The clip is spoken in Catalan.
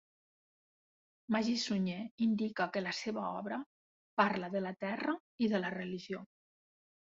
Magí Sunyer indica que la seva obra parla de la terra i de la religió.